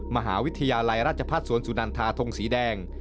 มหาวิทยาลัยราชพัฒน์สวนสุนันทาทงสีแดง